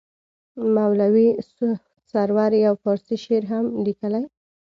مولوي سرور یو فارسي شعر هم لیکلی.